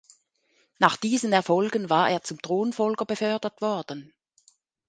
Nach diesen Erfolgen war er zum Thronfolger befördert worden.